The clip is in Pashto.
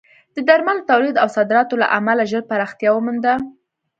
د درملو تولید او صادراتو له امله ژر پراختیا ومونده.